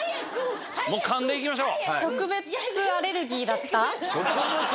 もう勘でいきましょう。